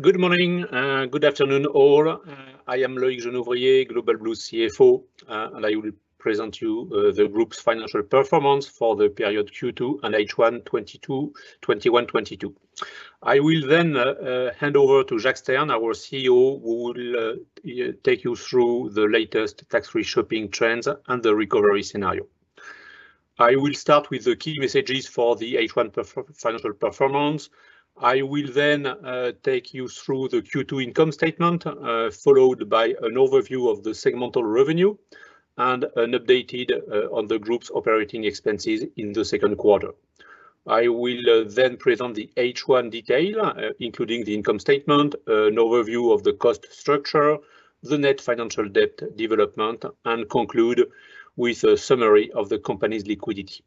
Good morning, good afternoon all. I am Loïc Jenouvrier, Global Blue CFO, and I will present to you the group's financial performance for the period Q2 and H1 2022, 2021, 2022. I will then hand over to Jacques Stern, our CEO, who will take you through the latest tax-free shopping trends and the recovery scenario. I will start with the key messages for the H1 financial performance. I will then take you through the Q2 income statement, followed by an overview of the segmental revenue and an update on the group's operating expenses in the Q2. I will then present the H1 detail, including the income statement, an overview of the cost structure, the net financial debt development, and conclude with a summary of the company's liquidity.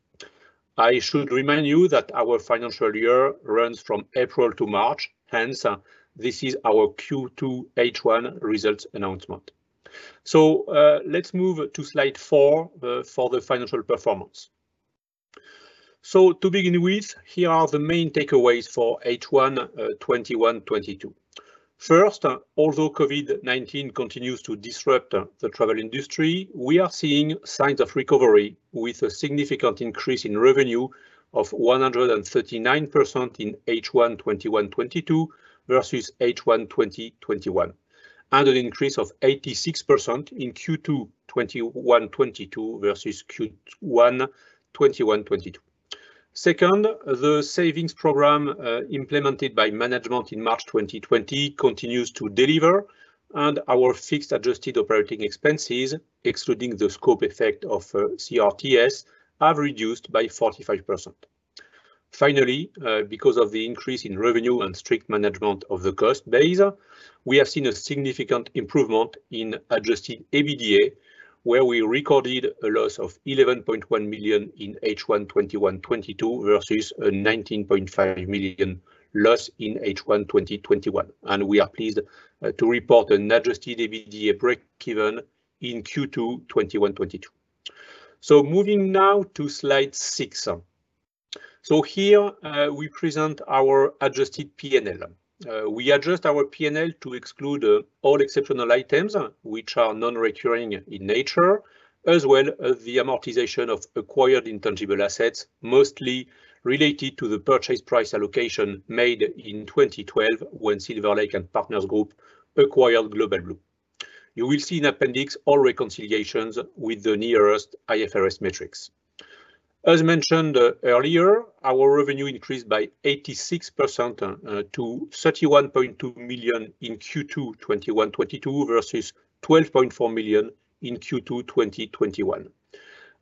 I should remind you that our financial year runs from April to March, hence this is our Q2 H1 results announcement. Let's move to slide four for the financial performance. To begin with, here are the main takeaways for H1 2021/22. First, although COVID-19 continues to disrupt the travel industry, we are seeing signs of recovery with a significant increase in revenue of 139% in H1 2021/22 versus H1 2020/21, and an increase of 86% in Q2 2021/22 versus Q1 2021/22. Second, the savings program implemented by management in March 2020 continues to deliver, and our fixed adjusted operating expenses, excluding the scope effect of CRTS, have reduced by 45%. Finally, because of the increase in revenue and strict management of the cost base, we have seen a significant improvement in adjusted EBITDA, where we recorded a loss of 11.1 million in H1 2022 versus a 19.5 million loss in H1 2021, and we are pleased to report an adjusted EBITDA break-even in Q2 2022. Moving now to slide 6. Here, we present our adjusted P&L. We adjust our P&L to exclude all exceptional items which are non-recurring in nature, as well as the amortization of acquired intangible assets, mostly related to the purchase price allocation made in 2012 when Silver Lake and Partners Group acquired Global Blue. You will see in appendix all reconciliations with the nearest IFRS metrics. As mentioned earlier, our revenue increased by 86% to 31.2 million in Q2 2021/2022 versus 12.4 million in Q2 2020/2021.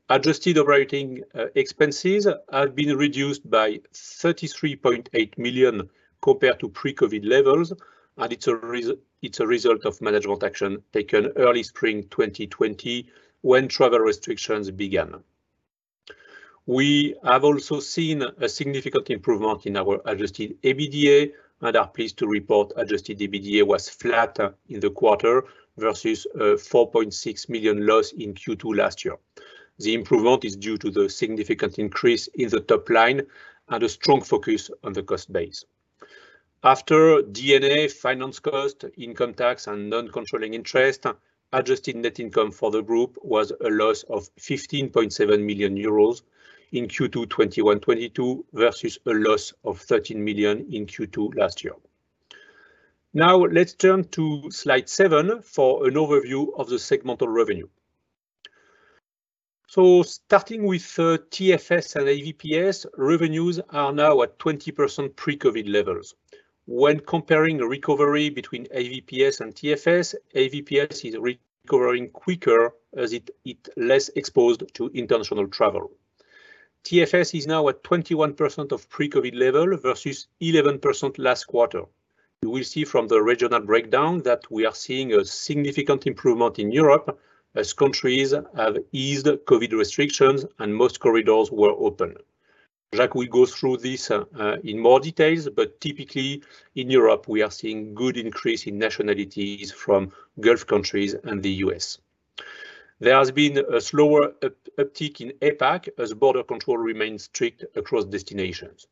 Adjusted operating expenses have been reduced by 33.8 million compared to pre-COVID levels, and it's a result of management action taken early spring 2020 when travel restrictions began. We have also seen a significant improvement in our adjusted EBITDA and are pleased to report adjusted EBITDA was flat in the quarter versus a 4.6 million loss in Q2 last year. The improvement is due to the significant increase in the top line and a strong focus on the cost base. After D&A, finance cost, income tax, and non-controlling interest, adjusted net income for the group was a loss of 15.7 million euros in Q2 2021 to 22 versus a loss of 13 million in Q2 last year. Now let's turn to slide 7 for an overview of the segmental revenue. Starting with TFS and AVPS, revenues are now at 20% pre-COVID levels. When comparing recovery between AVPS and TFS, AVPS is recovering quicker as it is less exposed to international travel. TFS is now at 21% of pre-COVID level versus 11% last quarter. You will see from the regional breakdown that we are seeing a significant improvement in Europe as countries have eased COVID restrictions and most corridors were open. Jacques will go through this in more details, but typically in Europe, we are seeing good increase in nationalities from Gulf countries and the U.S. There has been a slower uptick in APAC as border control remains strict across destinations.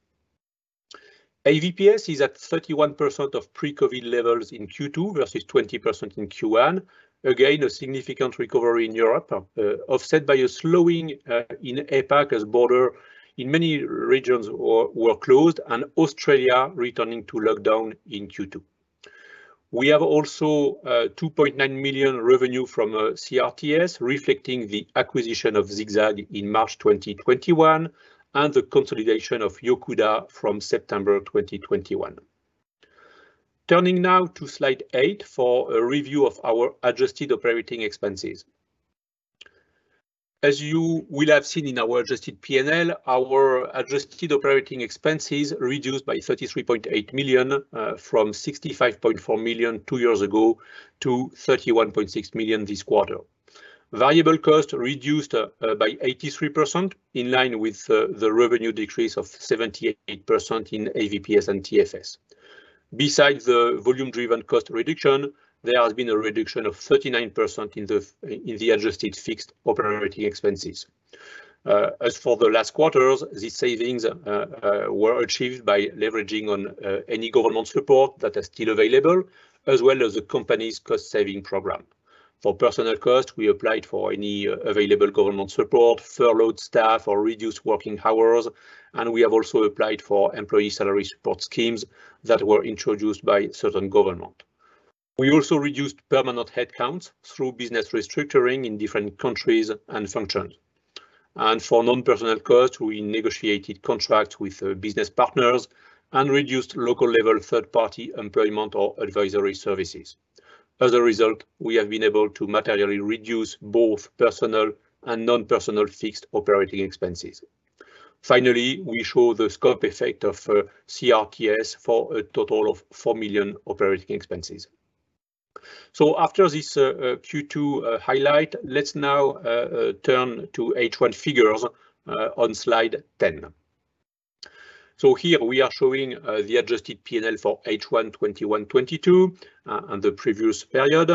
AVPS is at 31% of pre-COVID levels in Q2 versus 20% in Q1. Again, a significant recovery in Europe offset by a slowing in APAC as border in many regions were closed and Australia returning to lockdown in Q2. We have also two point nine million revenue from CRTS, reflecting the acquisition of ZigZag in March 2021 and the consolidation of Yocuda from September 2021. Turning now to slide 8 for a review of our adjusted operating expenses. As you will have seen in our adjusted P&L, our adjusted operating expenses reduced by 33.8 million from 65.4 million two years ago to 31.6 million this quarter. Variable cost reduced by 83%, in line with the revenue decrease of 78% in AVPS and TFS. Besides the volume-driven cost reduction, there has been a reduction of 39% in the adjusted fixed operating expenses. As for the last quarters, these savings were achieved by leveraging on any government support that are still available, as well as the company's cost saving program. For personnel cost, we applied for any available government support, furloughed staff or reduced working hours, and we have also applied for employee salary support schemes that were introduced by certain governments. We also reduced permanent headcounts through business restructuring in different countries and functions. For non-personnel costs, we negotiated contracts with business partners and reduced local level third party employment or advisory services. As a result, we have been able to materially reduce both personnel and non-personnel fixed operating expenses. Finally, we show the scope effect of CRTS for a total of 4 million operating expenses. After this Q2 highlight, let's now turn to H1 figures on slide 10. Here we are showing the adjusted P&L for H1 21/22 and the previous period.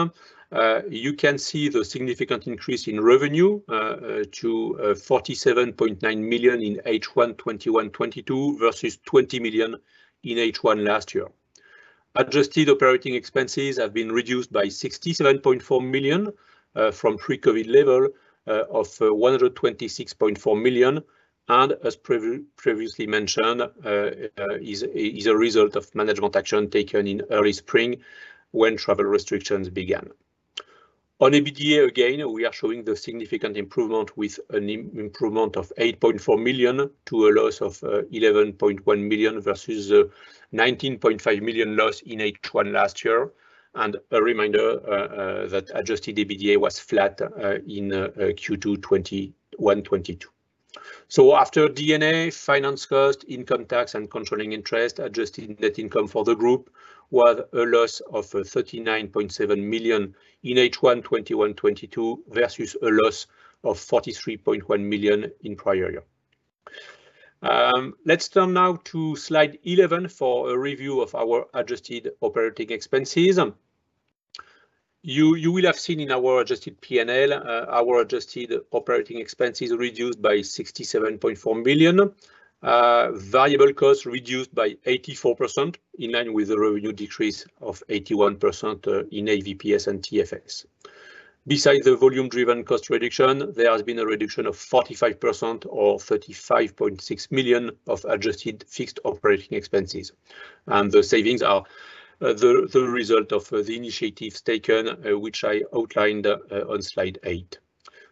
You can see the significant increase in revenue to 47.9 million in H1 2021/2022 versus 20 million in H1 last year. Adjusted operating expenses have been reduced by 67.4 million from pre-COVID level of 126.4 million, and as previously mentioned, is a result of management action taken in early spring when travel restrictions began. On EBITDA, again, we are showing the significant improvement with an improvement of 8.4 million to a loss of 11.1 million versus 19.5 million loss in H1 last year. A reminder that adjusted EBITDA was flat in Q2 2021/2022. After D&A, finance costs, income tax and controlling interest, adjusted net income for the group was a loss of 39.7 million in H1 2021/2022 versus a loss of 43.1 million in prior year. Let's turn now to slide 11 for a review of our adjusted operating expenses. You will have seen in our adjusted P&L, our adjusted operating expenses reduced by 67.4 million. Variable costs reduced by 84% in line with the revenue decrease of 81%, in AVPS and TFS. Besides the volume driven cost reduction, there has been a reduction of 45% or 35.6 million of adjusted fixed operating expenses, and the savings are the result of the initiatives taken, which I outlined on slide 8.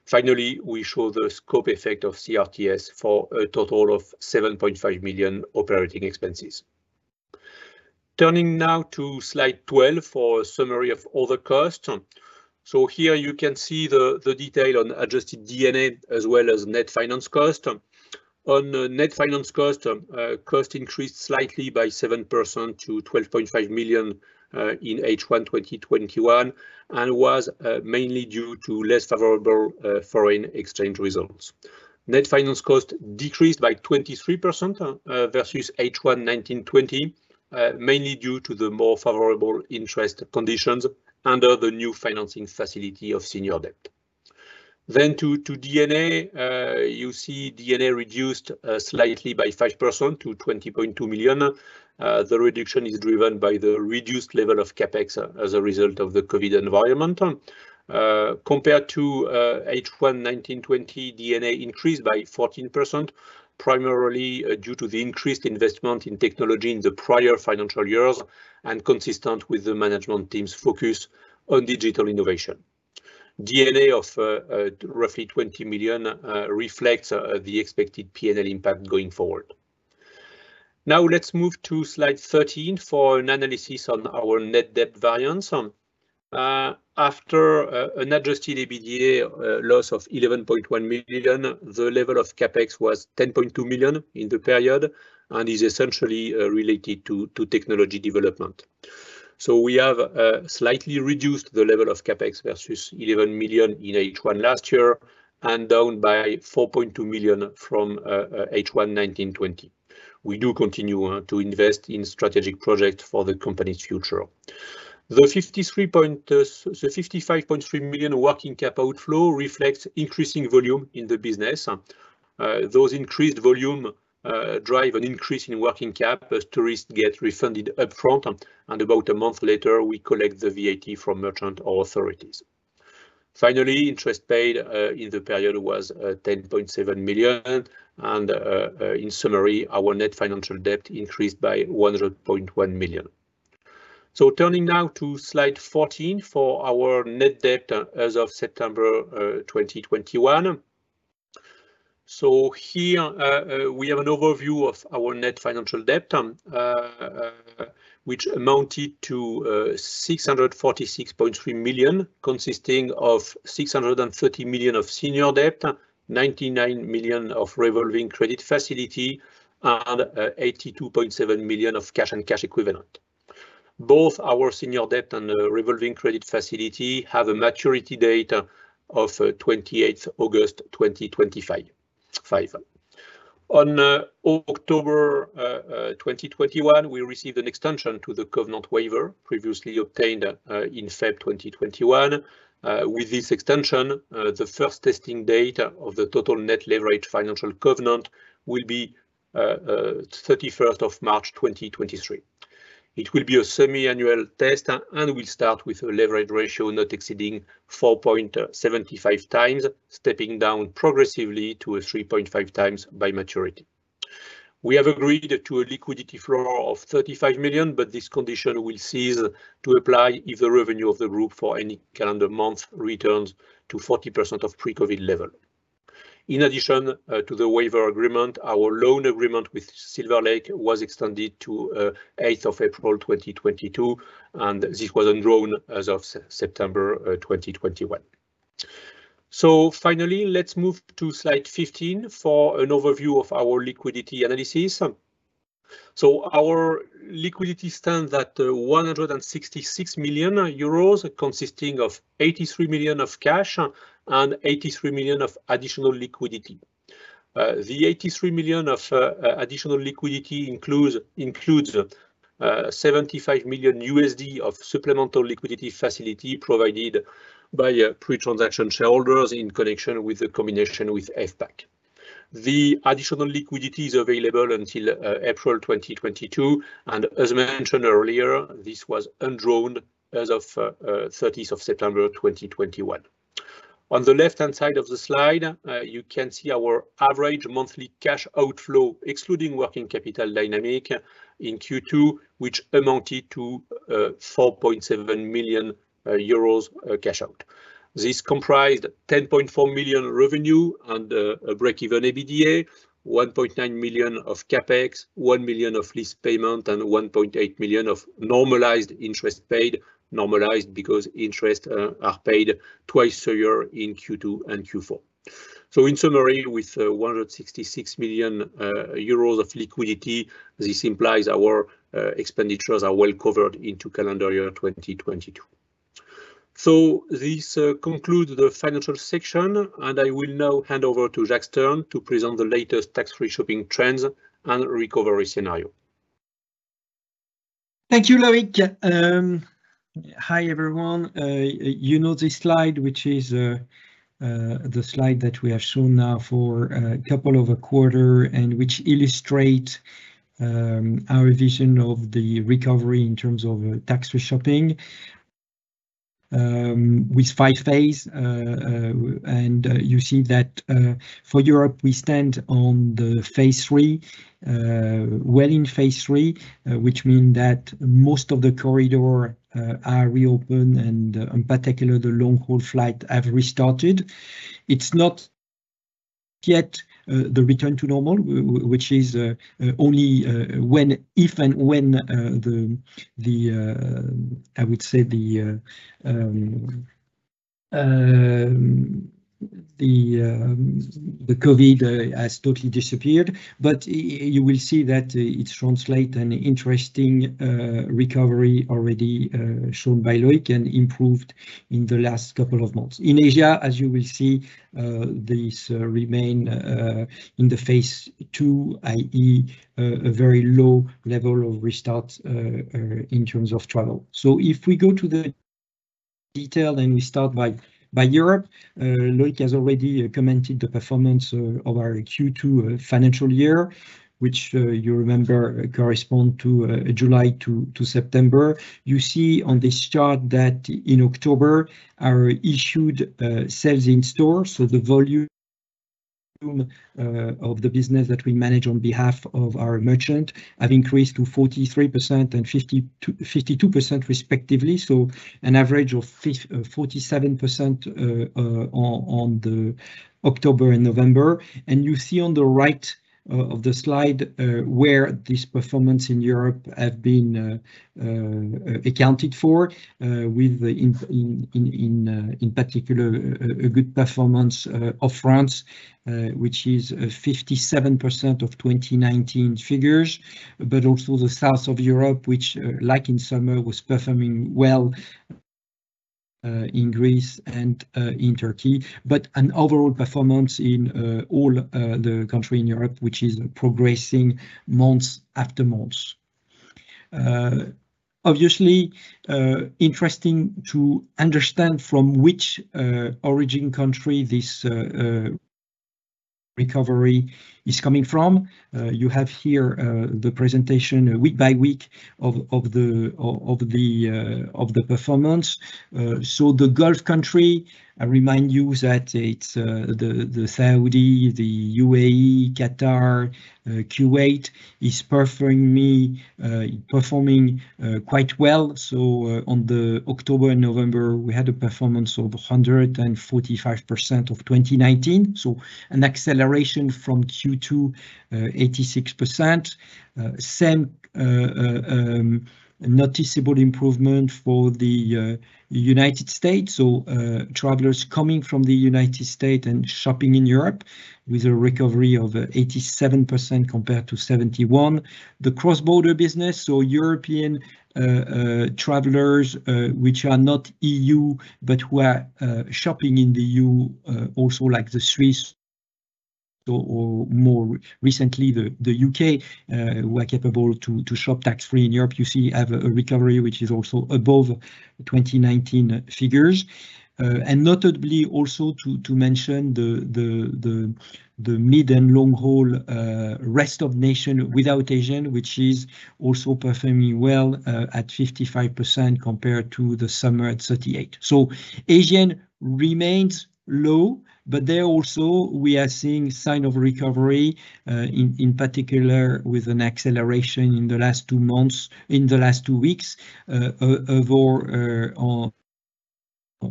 Finally, we show the scope effect of CRTS for a total of 7.5 million operating expenses. Turning now to slide 12 for a summary of other costs. Here you can see the detail on adjusted D&A as well as net finance cost. On net finance cost increased slightly by 7% to 12.5 million in H1 2021, and was mainly due to less favorable foreign exchange results. Net finance cost decreased by 23% versus H1 2019/20, mainly due to the more favorable interest conditions under the new financing facility of senior debt. To D&A, you see D&A reduced slightly by 5% to 20.2 million. The reduction is driven by the reduced level of CapEx as a result of the COVID environment. Compared to H1 2019/20, D&A increased by 14%, primarily due to the increased investment in technology in the prior financial years and consistent with the management team's focus on digital innovation. D&A of roughly 20 million reflects the expected P&L impact going forward. Now let's move to slide 13 for an analysis on our net debt variance. After an adjusted EBITDA loss of 11.1 million, the level of CapEx was 10.2 million in the period and is essentially related to technology development. We have slightly reduced the level of CapEx versus 11 million in H1 last year and down by 4.2 million from H1 2019/20. We do continue to invest in strategic projects for the company's future. The fifty-three point... The 55.3 million working cap outflow reflects increasing volume in the business. Those increased volume drive an increase in working cap as tourists get refunded upfront, and about a month later we collect the VAT from merchant or authorities. Finally, interest paid in the period was 10.7 million. In summary, our net financial debt increased by 100.1 million. Turning now to slide 14 for our net debt as of September 2021. Here, we have an overview of our net financial debt, which amounted to 646.3 million, consisting of 630 million of senior debt, 99 million of revolving credit facility, and 82.7 million of cash and cash equivalent. Both our senior debt and the revolving credit facility have a maturity date of 28th August 2025. On October 2021, we received an extension to the covenant waiver previously obtained in February 2021. With this extension, the first testing date of the total net leverage financial covenant will be 31st of March 2023. It will be a semiannual test and will start with a leverage ratio not exceeding 4.75x, stepping down progressively to a 3.5x by maturity. We have agreed to a liquidity floor of 35 million, but this condition will cease to apply if the revenue of the group for any calendar month returns to 40% of pre-COVID level. In addition, to the waiver agreement, our loan agreement with Silver Lake was extended to 8th of April 2022, and this was undrawn as of September 2021. Finally, let's move to slide 15 for an overview of our liquidity analysis. Our liquidity stands at 166 million euros, consisting of 83 million of cash and 83 million of additional liquidity. The 83 million of additional liquidity includes 75 million USD of supplemental liquidity facility provided by pre-transaction shareholders in connection with the combination with FPAC. The additional liquidity is available until April 2022, and as mentioned earlier, this was undrawn as of 30th of September 2021. On the left-hand side of the slide, you can see our average monthly cash outflow, excluding working capital dynamic in Q2, which amounted to 4.7 million euros cash out. This comprised 10.4 million revenue and a break-even EBITDA, 1.9 million of CapEx, 1 million of lease payment, and 1.8 million of normalized interest paid. Normalized because interest are paid twice a year in Q2 and Q4. In summary, with 166 million euros of liquidity, this implies our expenditures are well covered into calendar year 2022. This concludes the financial section, and I will now hand over to Jacques Stern to present the latest tax-free shopping trends and recovery scenario. Thank you, Loïc. Hi, everyone. You know this slide, which is the slide that we have shown now for a couple of quarter and which illustrate our vision of the recovery in terms of tax-free shopping with five phase. You see that for Europe, we stand on the phase III, well in phase III, which mean that most of the corridor are reopened and in particular, the long-haul flight have restarted. It's not yet the return to normal, which is only when, if, and when I would say the COVID has totally disappeared. But you will see that it translate an interesting recovery already shown by Loïc and improved in the last couple of months. In Asia, as you will see, this remains in the phase II, i.e., a very low level of restart in terms of travel. If we go to the detail and we start by Europe, Loïc has already commented the performance of our Q2 financial year, which you remember corresponds to July to September. You see on this chart that in October, our issued sales in store, so the volume of the business that we manage on behalf of our merchant, have increased to 43% and 52% respectively. An average of 47% on October and November. You see on the right of the slide, where this performance in Europe has been accounted for with in particular a good performance of France, which is 57% of 2019 figures, but also the south of Europe, which like in summer was performing well in Greece and in Turkey. An overall performance in all the country in Europe, which is progressing months after months. Obviously interesting to understand from which origin country this recovery is coming from. You have here the presentation week by week of the performance. So the Gulf country, I remind you that it's the Saudi, the UAE, Qatar, Kuwait is performing quite well. On the October, November, we had a performance of 145% of 2019. An acceleration from Q2, 86%. Same noticeable improvement for the United States. Travelers coming from the United States and shopping in Europe with a recovery of 87% compared to 71. The cross-border business for European travelers which are not EU, but who are shopping in the EU, such as the Swiss or more recently the U.K., were capable to shop tax-free in Europe, you see, have a recovery, which is also above 2019 figures. Notably also to mention the mid and long-haul rest of the world without Asia, which is also performing well at 55% compared to the summer at 38. Asia remains low, but there, also, we are seeing signs of recovery, in particular, with an acceleration in the last two months, in the last two weeks, of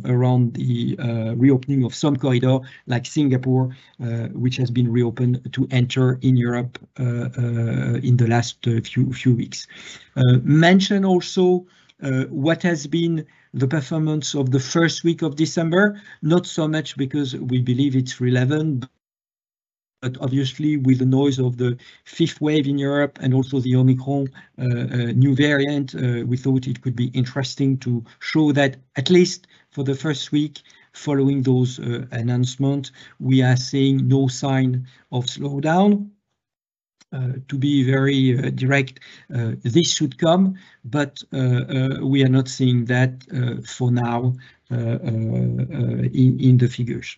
around the reopening of some corridor like Singapore, which has been reopened to enter in Europe, in the last few weeks. We mention also what has been the performance of the first week of December, not so much because we believe it's relevant, but obviously with the noise of the fifth wave in Europe and also the Omicron new variant, we thought it could be interesting to show that at least for the first week following those announcements, we are seeing no signs of slowdown. To be very direct, this should come, but we are not seeing that for now in the figures.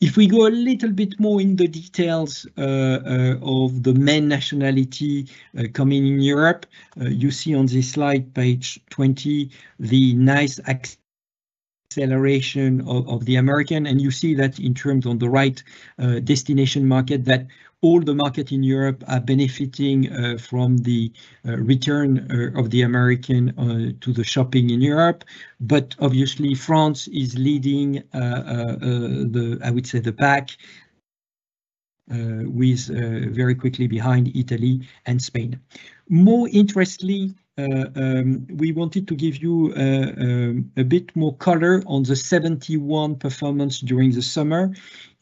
If we go a little bit more in the details of the main nationality coming in Europe, you see on this slide, page 20, the nice acceleration of Americans, and you see that in terms on the right destination market that all the markets in Europe are benefiting from the return of Americans to the shopping in Europe. Obviously France is leading, I would say the pack, with very quickly behind Italy and Spain. More interestingly, we wanted to give you a bit more color on the 71 performance during the summer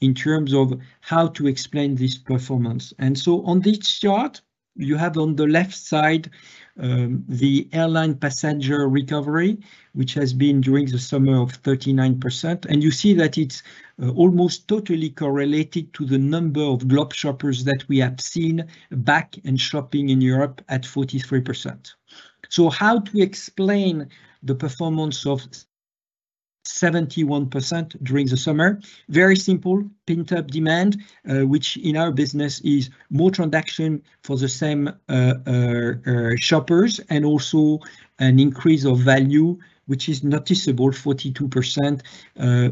in terms of how to explain this performance. On this chart, you have on the left side, the airline passenger recovery, which has been during the summer of 39%. You see that it's almost totally correlated to the number of Global shoppers that we have seen back and shopping in Europe at 43%. How to explain the performance of 71% during the summer? Very simple. Pent-up demand, which in our business is more transaction for the same shoppers and also an increase of value, which is noticeable 42%,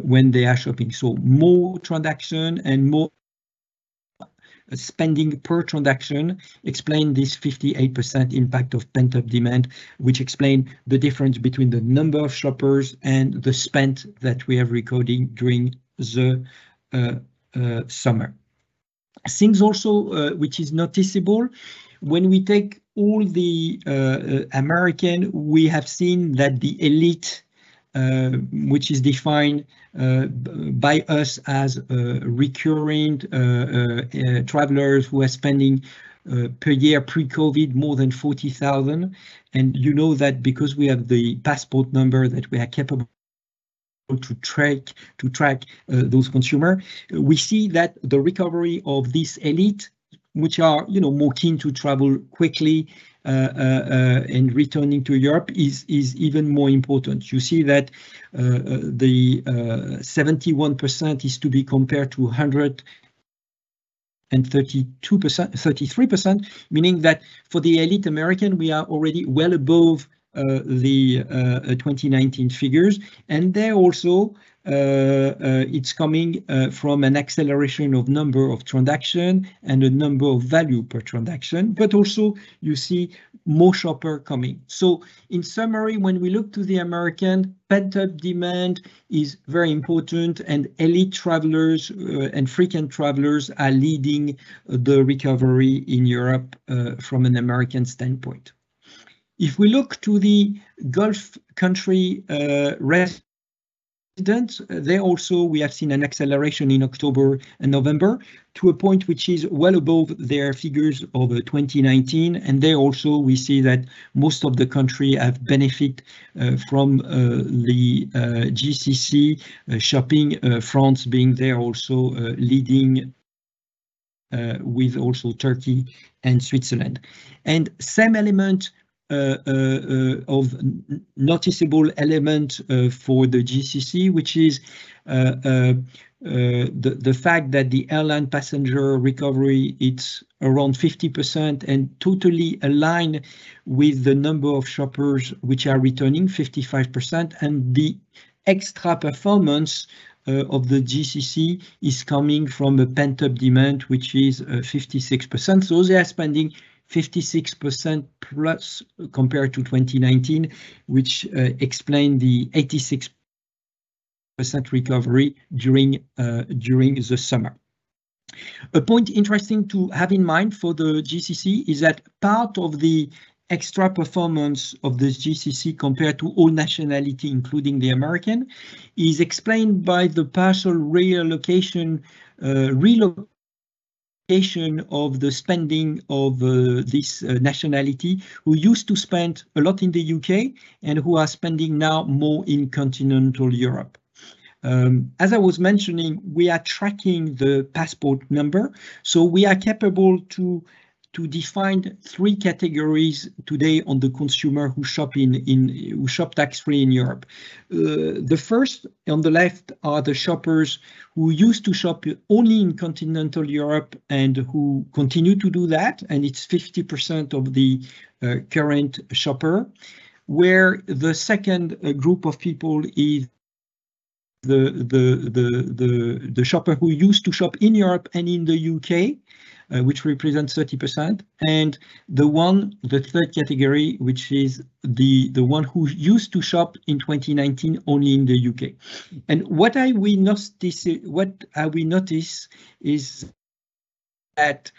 when they are shopping. More transaction and more spending per transaction explain this 58% impact of pent-up demand, which explain the difference between the number of shoppers and the spend that we are recording during the summer. Things also which is noticeable when we take all the American, we have seen that the elite which is defined by us as recurring travelers who are spending per year pre-COVID more than 40,000, and you know that because we have the passport number that we are capable to track those consumer. We see that the recovery of this elite, which are, you know, more keen to travel quickly and returning to Europe is even more important. You see that the 71% is to be compared to 133%, meaning that for the elite American, we are already well above the 2019 figures. There also it's coming from an acceleration of number of transactions and a number of value per transaction, but also you see more shoppers coming. In summary, when we look to the Americans, pent-up demand is very important, and elite travelers and frequent travelers are leading the recovery in Europe from an American standpoint. If we look to the Gulf countries, residents, we have also seen an acceleration in October and November to a point which is well above their figures of 2019. We also see that most of the countries have benefited from the GCC shopping, France being there also leading with also Turkey and Switzerland. A noticeable element for the GCC, which is the fact that the airline passenger recovery is around 50% and totally align with the number of shoppers which are returning 55%, and the extra performance of the GCC is coming from a pent-up demand, which is 56%. They are spending 56%+ compared to 2019, which explain the 86% recovery during the summer. An interesting point to have in mind for the GCC is that part of the extra performance of the GCC compared to all nationalities, including the Americans, is explained by the partial relocation of the spending of this nationality who used to spend a lot in the U.K. and who are spending now more in continental Europe. As I was mentioning, we are tracking the passport number, so we are capable to define three categories today on the consumer who shop tax-free in Europe. The first on the left are the shoppers who used to shop only in continental Europe and who continue to do that, and it's 50% of the current shopper, where the second group of people is the shopper who used to shop in Europe and in the U.K., which represents 30%, and the third category, which is the one who used to shop in 2019 only in the U.K. What we notice is, at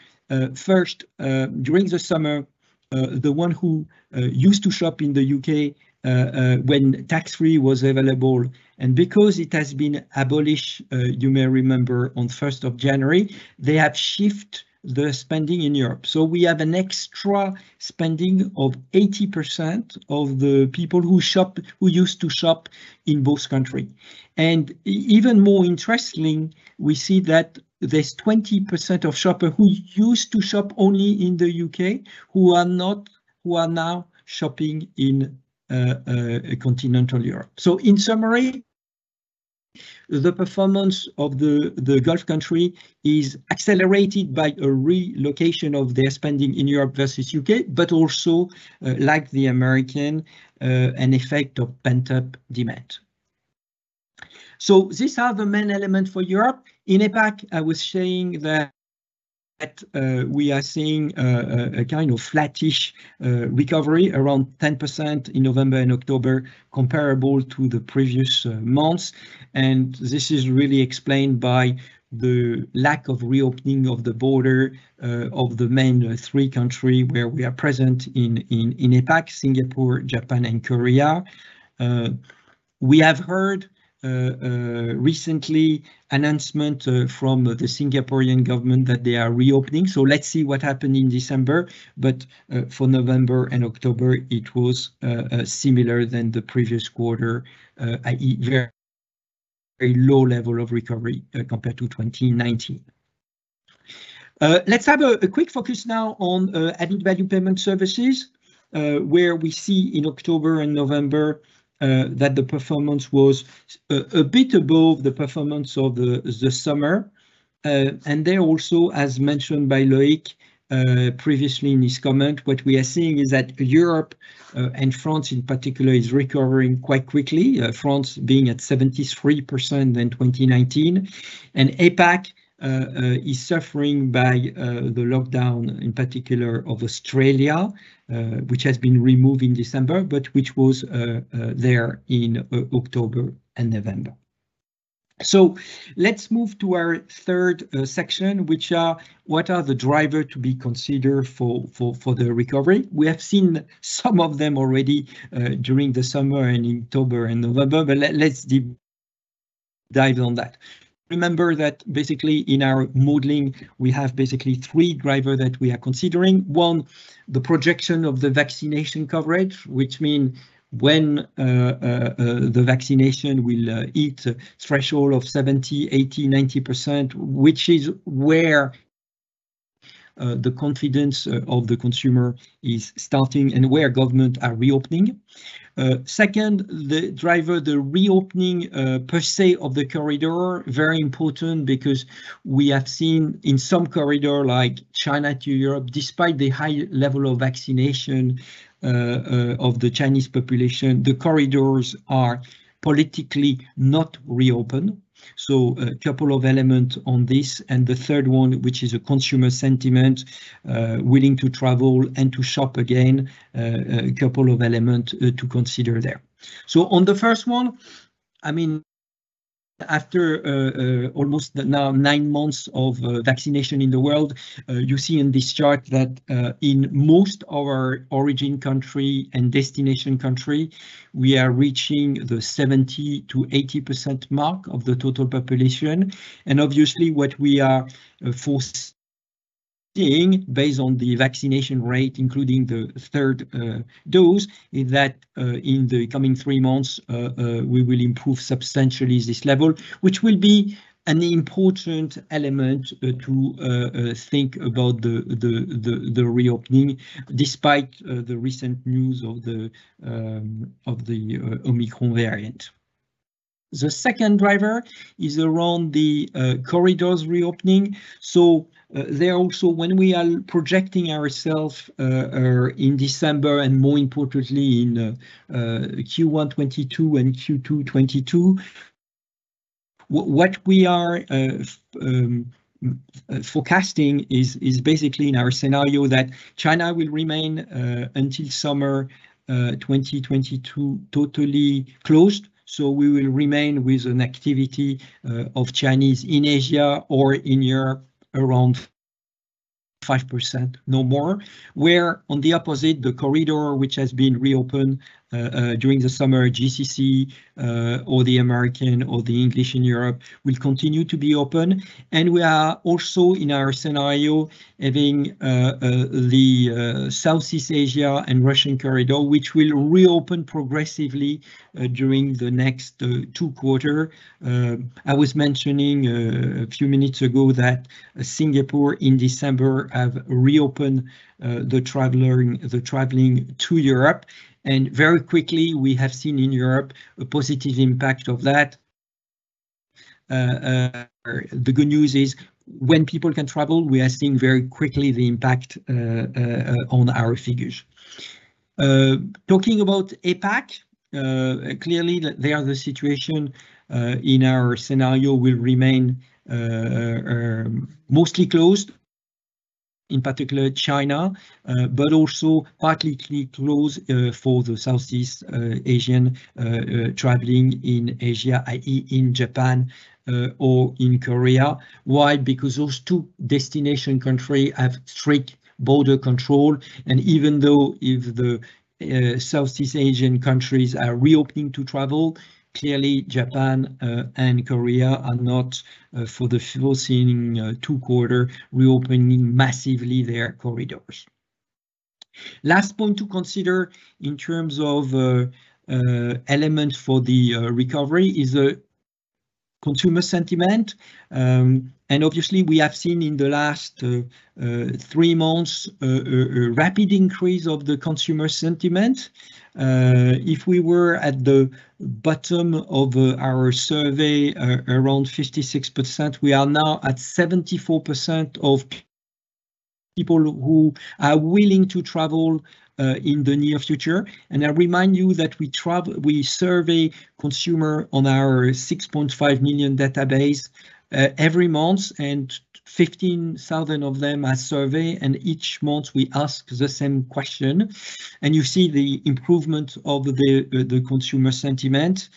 first, during the summer, the one who used to shop in the U.K. when tax-free was available, and because it has been abolished, you may remember on 1st of January, they have shift their spending in Europe. We have an extra spending of 80% of the people who used to shop in both country. Even more interesting, we see that there's 20% of shopper who used to shop only in the U.K. who are now shopping in continental Europe. In summary, the performance of the Gulf country is accelerated by a relocation of their spending in Europe versus U.K., but also, like the American, an effect of pent-up demand. These are the main element for Europe. In APAC, I was saying that we are seeing a kind of flattish recovery around 10% in November and October comparable to the previous months, and this is really explained by the lack of reopening of the border of the main three country where we are present in APAC, Singapore, Japan, and Korea. We have heard recent announcement from the Singaporean government that they are reopening, so let's see what happen in December. For November and October, it was similar than the previous quarter, i.e., very low level of recovery compared to 2019. Let's have a quick focus now on added value payment services, where we see in October and November that the performance was a bit above the performance of the summer. There also, as mentioned by Loic, previously in his comment, what we are seeing is that Europe, and France in particular is recovering quite quickly, France being at 73% in 2019. APAC is suffering by the lockdown, in particular of Australia, which has been removed in December, but which was there in October and November. Let's move to our third section, which are what are the driver to be considered for the recovery. We have seen some of them already during the summer and in October and November, but let's dive on that. Remember that basically in our modeling we have basically three driver that we are considering. One, the projection of the vaccination coverage, which mean when the vaccination will hit threshold of 70%, 80%, 90%, which is where the confidence of the consumer is starting and where government are reopening. Second, the driver, the reopening per se of the corridor, very important because we have seen in some corridor like China to Europe, despite the high level of vaccination of the Chinese population, the corridors are politically not reopen. A couple of element on this. The third one, which is a consumer sentiment willing to travel and to shop again. A couple of element to consider there. On the first one, I mean, after almost now nine months of vaccination in the world, you see in this chart that in most of our origin country and destination country, we are reaching the 70%-80% mark of the total population. Obviously what we are forecasting based on the vaccination rate, including the third dose, is that in the coming three months we will improve substantially this level, which will be an important element to think about the reopening, despite the recent news of the Omicron variant. The second driver is around the corridors reopening. We're also projecting ourselves in December and more importantly in Q1 2022 and Q2 2022. What we are forecasting is basically in our scenario that China will remain until summer 2022 totally closed. We will remain with an activity of Chinese in Asia or in Europe around 5%, no more. Where on the opposite, the corridor which has been reopened during the summer, GCC, or the American or the English in Europe will continue to be open. We are also in our scenario having the Southeast Asia and Russian corridor, which will reopen progressively during the next Q2. I was mentioning a few minutes ago that Singapore in December have reopened the traveling to Europe. Very quickly we have seen in Europe a positive impact of that. The good news is when people can travel, we are seeing very quickly the impact on our figures. Talking about APAC, clearly, the situation in our scenario will remain mostly closed, in particular China, but also partly closed for the Southeast Asian traveling in Asia, i.e., in Japan or in Korea. Why? Because those two destination country have strict border control. Even though if the Southeast Asian countries are reopening to travel, clearly Japan and Korea are not, for the foreseeable seeing Q2 reopening massively their corridors. Last point to consider in terms of element for the recovery is the consumer sentiment. Obviously we have seen in the last 3 months a rapid increase of the consumer sentiment. If we were at the bottom of our survey around 56%, we are now at 74% of people who are willing to travel in the near future. I remind you that we survey consumers on our 6.5 million database every month, and 15,000 of them are surveyed. Each month, we ask the same question, and you see the improvement of the consumer sentiment,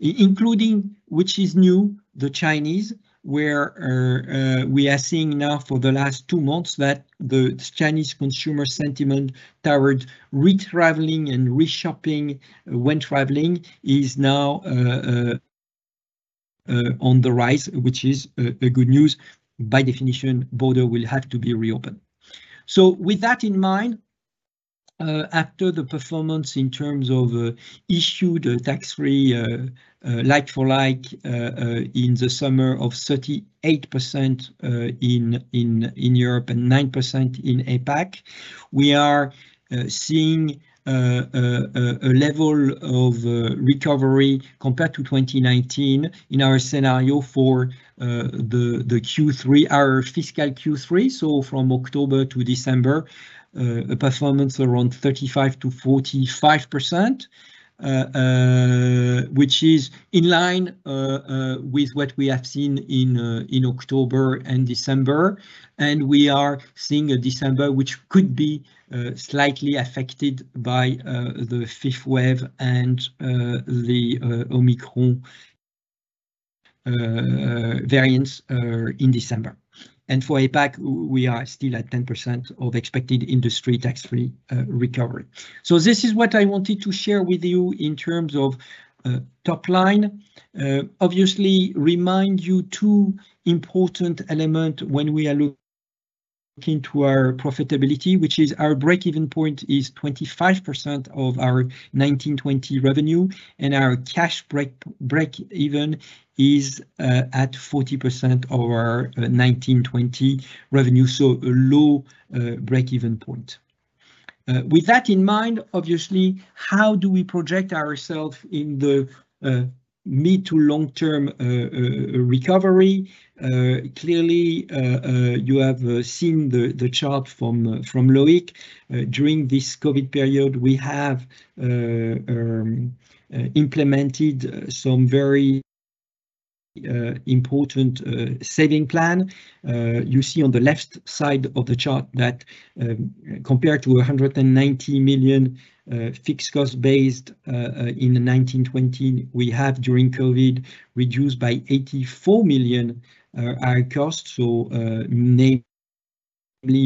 including, which is new, the Chinese, where we are seeing now for the last 2 months that the Chinese consumer sentiment toward re-traveling and reshopping when traveling is now on the rise, which is a good news. By definition, border will have to be reopened. With that in mind, after the performance in terms of issued tax-free like for like in the summer of 38% in Europe and 9% in APAC, we are seeing a level of recovery compared to 2019 in our scenario for the Q3, our fiscal Q3, so from October to December, a performance around 35% to 45%. Which is in line with what we have seen in October and December. We are seeing a December which could be slightly affected by the fifth wave and the Omicron variant in December. For APAC, we are still at 10% of expected industry tax-free recovery. This is what I wanted to share with you in terms of top line. Obviously, remind you of two important elements when we are looking to our profitability, which is our break-even point is 25% of our 2019/20 revenue, and our cash break-even is at 40% of our 2019/20 revenue. A low break-even point. With that in mind, obviously, how do we project ourselves in the mid- to long-term recovery? Clearly, you have seen the chart from Loic. During this COVID period, we have implemented some very important savings plan. You see on the left side of the chart that, compared to 190 million fixed cost base in 2019/2020, we have during COVID reduced by 84 million our cost, so nearly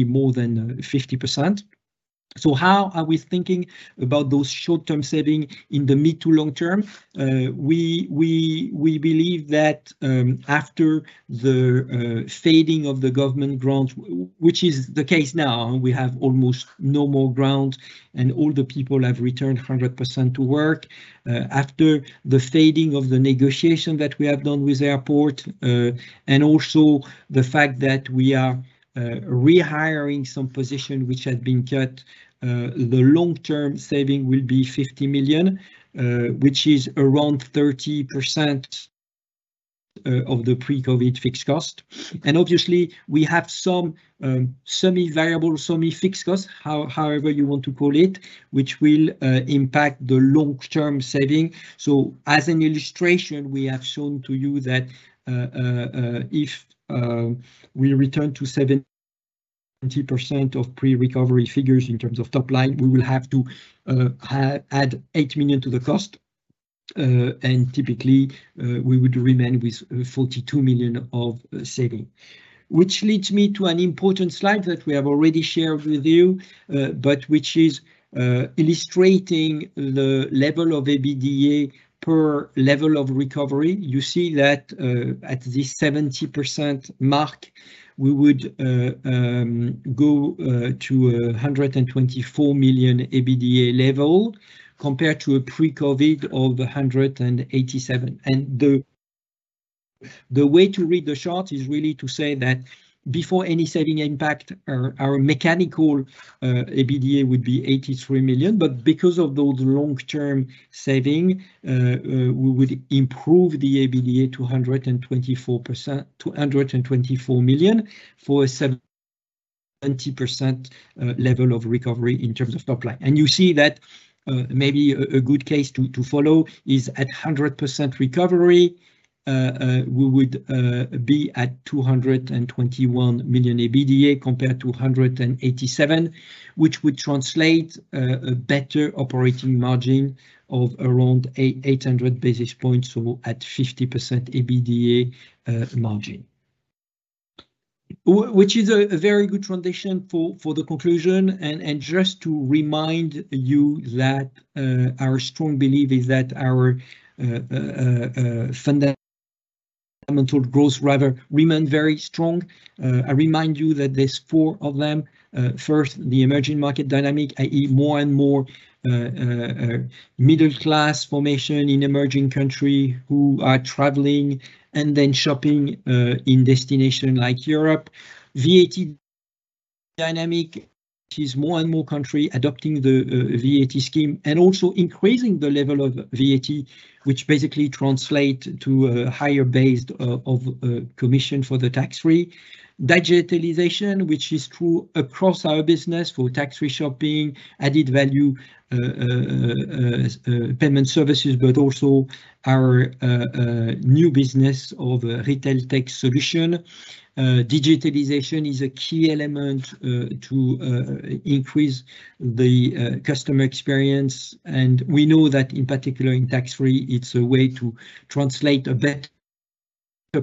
more than 50%. How are we thinking about those short-term saving in the mid to long term? We believe that, after the fading of the government grants, which is the case now, we have almost no more grants, and all the people have returned 100% to work, after the fading of the negotiation that we have done with airport, and also the fact that we are rehiring some position which had been cut, the long-term saving will be 50 million, which is around 30% of the pre-COVID fixed cost. Obviously we have some semi-variable, semi-fixed cost, however you want to call it, which will impact the long-term saving. As an illustration, we have shown to you that if we return to 70% of pre-recovery figures in terms of top line, we will have to add 8 million to the cost. Typically we would remain with 42 million of saving. Which leads me to an important slide that we have already shared with you, but which is illustrating the level of EBITDA per level of recovery. You see that at this 70% mark, we would go to a 124 million EBITDA level compared to a pre-COVID of 187 million. The way to read the chart is really to say that before any savings impact, our mechanical EBITDA would be 83 million. Because of those long-term savings, we would improve the EBITDA to EUR 124 million for a 70% level of recovery in terms of top line. You see that maybe a good case to follow is at 100% recovery, we would be at 221 million EBITDA compared to 187 million, which would translate to a better operating margin of around 800 basis points, so at 50% EBITDA margin. Which is a very good transition for the conclusion. Just to remind you that our strong belief is that our fundamental growth drivers remain very strong. I remind you that there's four of them. First, the emerging market dynamic, i.e., more and more middle class formation in emerging countries who are traveling and then shopping in destinations like Europe. VAT dynamic is more and more countries adopting the VAT scheme and also increasing the level of VAT, which basically translates to a higher base of commission for the tax-free. Digitalization, which is true across our business for tax-free shopping, added-value payment services, but also our new business of retail tech solutions. Digitalization is a key element to increase the customer experience, and we know that in particular in tax-free, it's a way to translate a better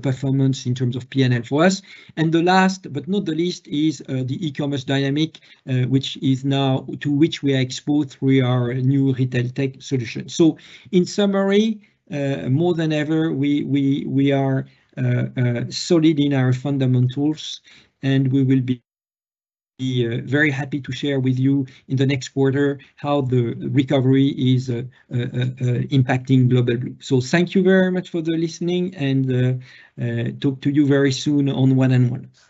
performance in terms of PNL for us. The last but not the least is the e-commerce dynamic, to which we are exposed through our new retail tech solution. In summary, more than ever, we are solid in our fundamentals, and we will be very happy to share with you in the next quarter how the recovery is impacting Global Blue. Thank you very much for listening and talk to you very soon on one and one.